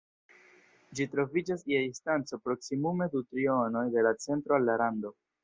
Ĝi troviĝas je distanco proksimume du trionoj de la centro al la rando.